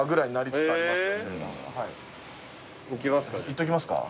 行きますか。